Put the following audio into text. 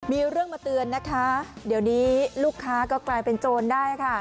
มีเรื่องมาเตือนนะคะเดี๋ยวนี้ลูกค้าก็กลายเป็นโจรได้ค่ะ